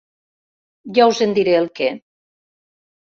Ja us en diré el què.